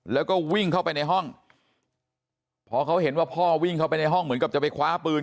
แล้วก็วิ่งเข้าไปในห้องพอเขาเห็นว่าพ่อวิ่งเข้าไปในห้องเหมือนกับจะไปคว้าปืน